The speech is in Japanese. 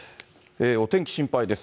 お天気心配です。